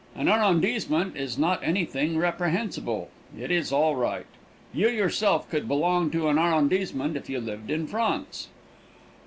An arrondissement is not anything reprehensible. It is all right. You, yourself, could belong to an arrondissement if you lived in France.